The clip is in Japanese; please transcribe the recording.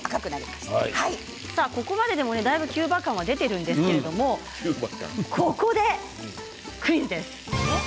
ここまででもだいぶキューバ感は出ているんですけれどもクイズ？